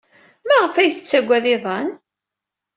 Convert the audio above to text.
Maɣef ay yettaggad iḍan?